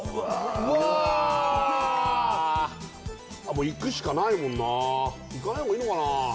もういくしかないもんないかないほうがいいのかな